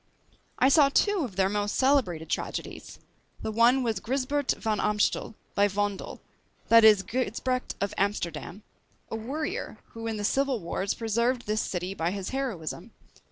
I saw two of their most celebrated tragedies. The one was Gysbert Van Amstel, by Vondel; that is Gysbrecht of Amsterdam, a warrior, who in the civil wars preserved this city by his heroism.